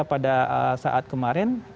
pada saat kemarin